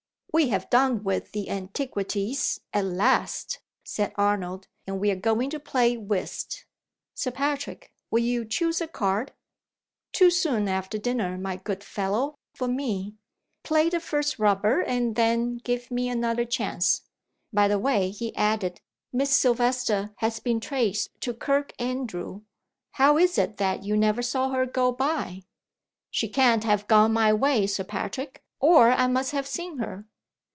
"We have done with the Antiquities at last!" said Arnold; "and we are going to play at Whist. Sir Patrick, will you choose a card?" "Too soon after dinner, my good fellow, for me. Play the first rubber, and then give me another chance. By the way," he added "Miss Silvester has been traced to Kirkandrew. How is it that you never saw her go by?" "She can't have gone my way, Sir Patrick, or I must have seen her."